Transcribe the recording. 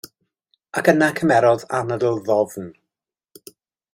Ac yna cymerodd anadl ddofn.